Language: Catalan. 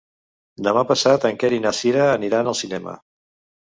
Demà passat en Quer i na Cira aniran al cinema.